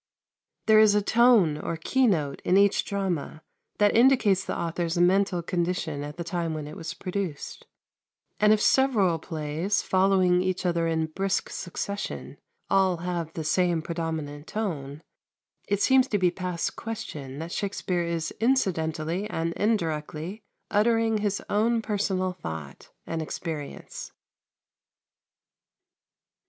There is a tone or key note in each drama that indicates the author's mental condition at the time when it was produced; and if several plays, following each other in brisk succession, all have the same predominant tone, it seems to be past question that Shakspere is incidentally and indirectly uttering his own personal thought and experience.